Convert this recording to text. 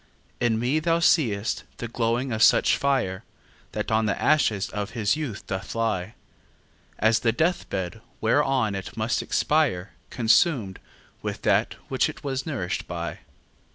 In me thou see'st the glowing of such fire, That on the ashes of his youth doth lie, As the death bed, whereon it must expire, Consum'd with that which it was nourish'd by.